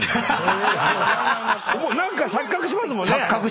何か錯覚しますもんね。